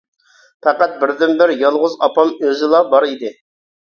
پەقەت بىردىنبىر يالغۇز ئاپام ئۆزىلا بار ئىدى.